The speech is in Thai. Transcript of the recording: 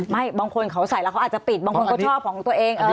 บางคนเขาใส่แล้วเขาอาจจะปิดบางคนก็ชอบของตัวเอง